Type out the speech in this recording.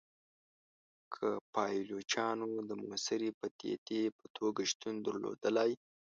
که پایلوچانو د موثري پدیدې په توګه شتون درلودلای.